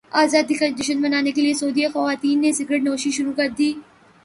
ازادی کا جشن منانے کے لیے سعودی خواتین نے سگریٹ نوشی شروع کردی